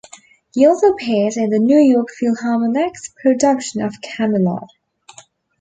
He also appeared in the New York Philharmonic's production of "Camelot".